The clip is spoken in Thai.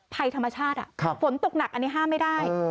ภัยธรรมชาติฝนตกหนักอันนี้ห้ามไม่ได้